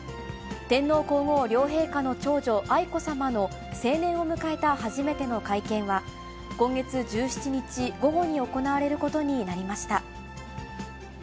天皇皇后両陛下の長女、愛子さまの成年を迎えた初めての会見は、今月１７日午後に行われることになりました。